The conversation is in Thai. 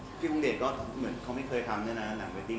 พี่คงเดชก็เหมือนเขาไม่เคยทำด้วยนะหนังเรตติ้ง